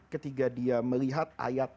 ketika dia melihat ayat